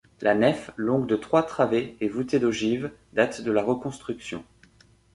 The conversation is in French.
La nef, longue de trois travées, et voûtée d’ogives, date de la reconstruction.